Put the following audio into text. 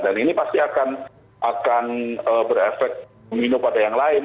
dan ini pasti akan berefek domino pada yang lain